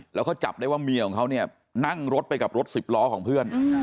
แล้วเขาจับได้ว่าเมียของเขาเนี่ยนั่งรถไปกับรถสิบล้อของเพื่อน